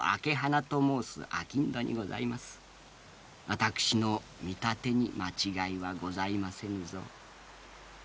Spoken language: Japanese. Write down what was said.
私の見立てに間違いはございませぬぞ。